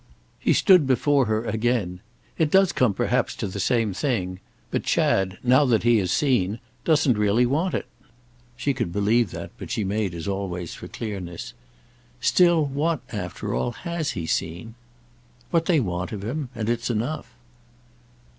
He stood before her again. "It does come perhaps to the same thing. But Chad, now that he has seen, doesn't really want it." She could believe that, but she made, as always, for clearness. "Still, what, after all, has he seen?" "What they want of him. And it's enough."